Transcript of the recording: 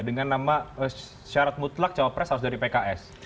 dengan nama syarat mutlak cawa pres harus dari pks